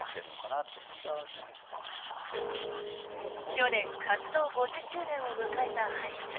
去年、活動５０周年を迎えたアリス。